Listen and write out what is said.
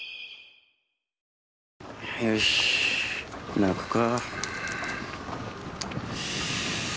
よし泣くか。